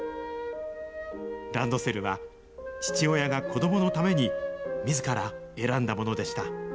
ランドセルは、父親が子どものためにみずから選んだものでした。